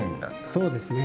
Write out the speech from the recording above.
そうですね。